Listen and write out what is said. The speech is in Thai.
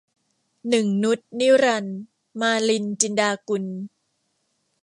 หนึ่งนุช นิรันดร์ - มาลิน จินดากุล